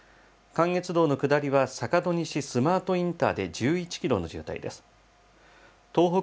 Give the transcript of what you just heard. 関越道の下りは、さかど西スマートインターで１１キロの渋滞です。